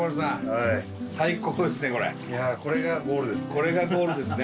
これがゴールですね。